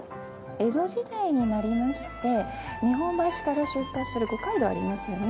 江戸時代になりまして日本橋から出発する五街道ありますよね。